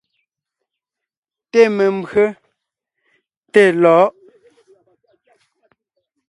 Té membÿe, té lɔ̌ʼ.